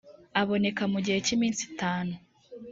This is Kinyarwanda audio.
aboneka mu gihe cy ‘iminsi itanu .